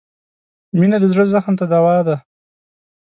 • مینه د زړه زخم ته دوا ده.